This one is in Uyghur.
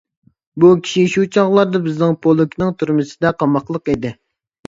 بۇ كىشى شۇ چاغلاردا بىزنىڭ پولكنىڭ تۈرمىسىدە قاماقلىق ئىدى.